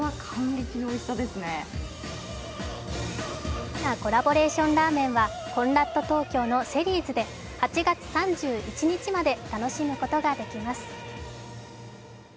ぜいたくなコラボレーションラーメンは、コンラッド東京のセリーズで８月３１日まで楽しむことができます